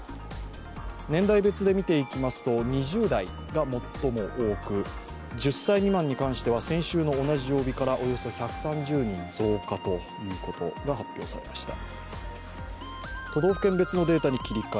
年代別で見ていきますと２０代が最も多く１０歳未満に関しては先週の同じ曜日からおよそ１３０人増加ということが発表されました。